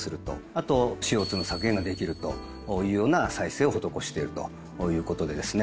あとＣＯ２の削減ができるというような再生を施してるということでですね。